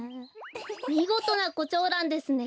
みごとなコチョウランですね。